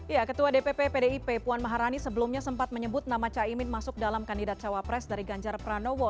ya ketua dpp pdip puan maharani sebelumnya sempat menyebut nama caimin masuk dalam kandidat cawapres dari ganjar pranowo